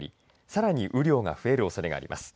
さらに雨量が増えるおそれがあります。